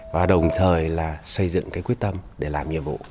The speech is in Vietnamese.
và đồng thời xây dựng quyết tâm để làm nhiệm vụ